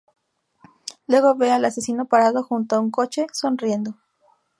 Luego ve al asesino parado junto a un coche, sonriendo.